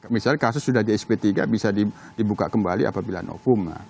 misalnya kasus sudah di sp tiga bisa dibuka kembali apabila novum